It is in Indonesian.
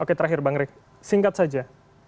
oke terakhir bang rek singkat saja